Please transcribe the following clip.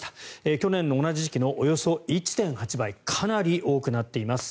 去年の同じ時期のおよそ１．８倍かなり多くなっています。